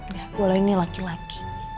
gak boleh nih laki laki